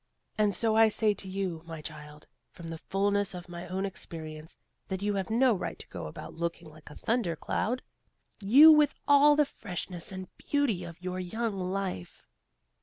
And so I say to you, my child, from the fulness of my own experience, that you have no right to go about looking like a thunder cloud; you with all the freshness and beauty of your young life!